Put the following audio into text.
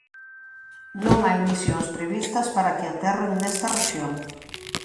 Non hai misións previstas para que aterren nesta rexión.